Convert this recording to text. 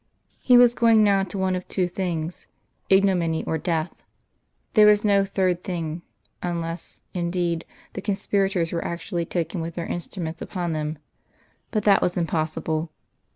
He was going now to one of two things ignominy or death. There was no third thing unless, indeed, the conspirators were actually taken with their instruments upon them. But that was impossible.